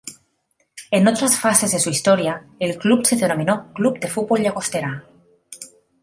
En otras fases de su historia el club se denominó "Club de Fútbol Llagostera".